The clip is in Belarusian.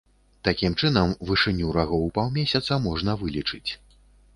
Такім чынам, вышыню рагоў паўмесяца можна вылічыць.